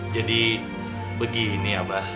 jadi begini abah